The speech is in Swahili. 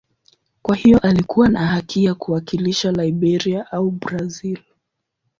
Kwa hiyo alikuwa na haki ya kuwakilisha Liberia au Brazil.